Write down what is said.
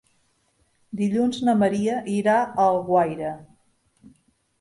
Dilluns na Maria irà a Alguaire.